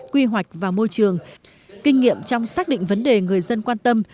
quy hoạch và môi trường kinh nghiệm trong xác định vấn đề người dân quan tâm